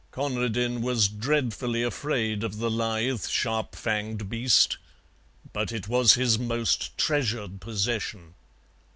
Conradin was dreadfully afraid of the lithe, sharp fanged beast, but it was his most treasured possession.